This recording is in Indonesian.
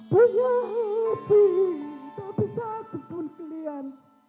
punya hati tak bisa sepuluh kelihatan